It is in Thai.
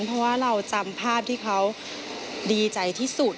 เพราะว่าเราจำภาพที่เขาดีใจที่สุด